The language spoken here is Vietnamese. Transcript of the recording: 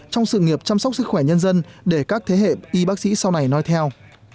trong sự nghiệp chăm sóc sức khỏe nhân dân để các thế hệ y bác sĩ sau này nói theo